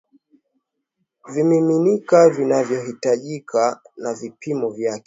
vimiminika vinavyohitajika na vipimo vyake